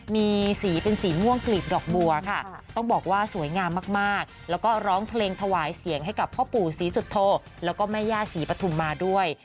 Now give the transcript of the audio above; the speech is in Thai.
มีสีเป็นสีม่วงกลีบดอกบัวค่ะต้องบอกว่าสวยงามมากแล้วก็ร้องเพลงถวายเสียงให้กับพ่อปู่ศรีสุโธแล้วก็แม่ย่าศรีปฐุมมาด้วย